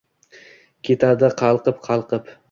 Ketadir qalqib- qalqib.